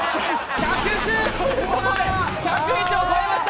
１０１を超えました。